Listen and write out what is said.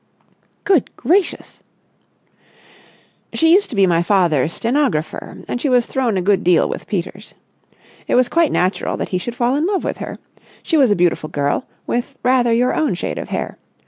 "Good gracious!" "She used to be my father's stenographer, and she was thrown a good deal with Peters. It was quite natural that he should fall in love with her. She was a beautiful girl, with rather your own shade of hair.